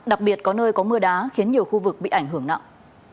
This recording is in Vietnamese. đặc biệt có nơi có mưa đá khiến nhiều khu vực bị ảnh hưởng nặng